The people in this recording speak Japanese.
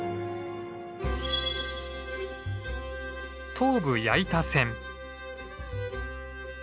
東武矢板線。